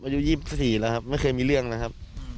อายุ๒๔แล้วครับไม่เคยมีเรื่องนะครับ